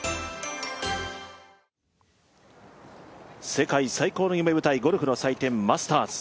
世界最高の夢舞台ゴルフの祭典マスターズ。